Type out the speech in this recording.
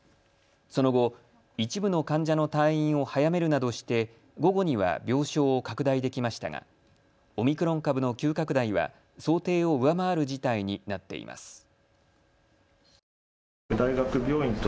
その後、一部の患者の退院を早めるなどして午後には病床を拡大できましたがオミクロン株の急拡大は想定を上回る事態になっています。